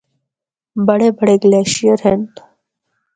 بڑے بڑے گلیشیر ہن۔